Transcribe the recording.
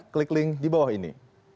klik link di bawah ini